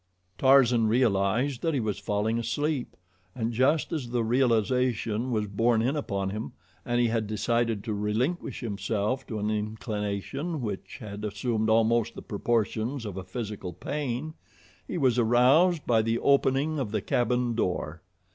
Tarzan realized that he was falling asleep, and just as the realization was borne in upon him and he had decided to relinquish himself to an inclination which had assumed almost the proportions of a physical pain, he was aroused by the opening of the cabin door.